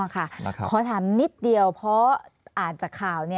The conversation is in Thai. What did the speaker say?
ขอถามนิดเดียวเพราะอ่านจากข่าว